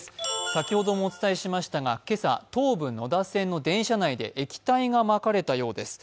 先ほどもお伝えしましたが今朝、東武野田線の電車内で液体がまかれたようです。